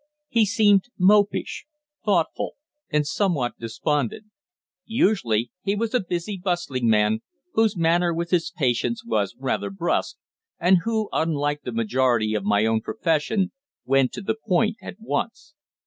He seemed mopish, thoughtful, and somewhat despondent. Usually he was a busy, bustling man, whose manner with his patients was rather brusque, and who, unlike the majority of my own profession, went to the point at once.